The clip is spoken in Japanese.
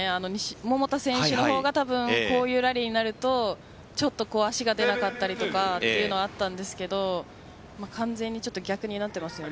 桃田選手の方がこういうラリーになるとちょっと足が出なかったりとかというのはあったんですけど完全に逆になっていますよね。